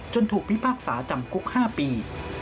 ถูกพิพากษาจำคุก๕ปี